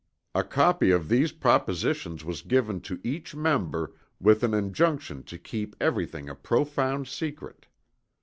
A copy of these propositions was given to each Member with an injunction to keep everything a profound secret.